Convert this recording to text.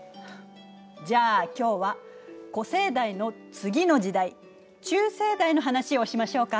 じゃあ今日は古生代の次の時代中生代の話をしましょうか。